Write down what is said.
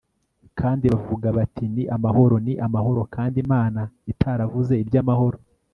kandi bavuga bati Ni amahoro ni amahoro kandi Imana itaravuze ibyamahoro